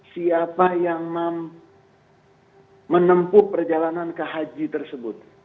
siapa yang menempuh perjalanan ke haji tersebut